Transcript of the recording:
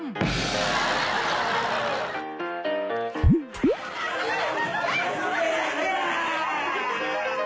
ปุ๊บ